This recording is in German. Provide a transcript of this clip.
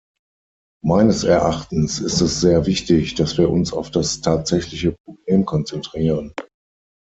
Meines Erachtens ist es sehr wichtig, dass wir uns auf das tatsächliche Problem konzentrieren.